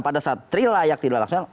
pada saat terilayak tidak langsung